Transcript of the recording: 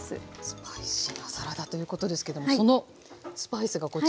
スパイシーなサラダということですけどもそのスパイスがこちらにありますね。